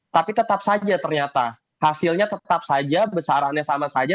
tapi tetap saja ternyata hasilnya tetap saja besarannya sama saja